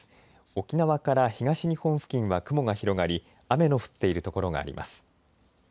沖縄から東日本付近は雲が広がり雨の降っている所があります。